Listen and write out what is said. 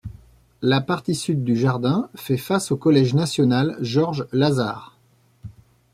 La partie sud du jardin fait face au collège national Gheorghe Lazăr.